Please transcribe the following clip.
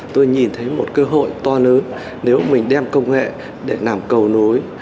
tôi nhìn thấy một cơ hội to lớn nếu mình đem công nghệ để làm cầu nối